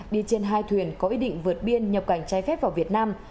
đi trên hai thuyền có ý định vượt biên nhập cảnh trái phép vào việt nam